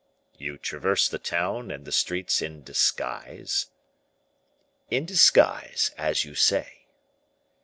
"You traverse the town and the streets in disguise?" "In disguise, as you say."